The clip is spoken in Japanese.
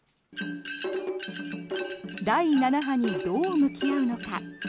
第７波にどう向き合うのか。